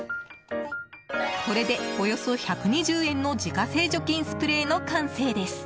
これでおよそ１２０円の自家製除菌スプレーの完成です。